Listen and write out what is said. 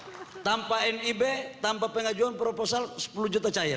karena tanpa nib tanpa pengajuan proposal sepuluh juta cair